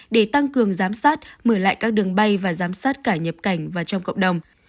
để tăng cường giám sát mở lại các đường bay và giám sát cả nhập cảnh và trong cộng đồng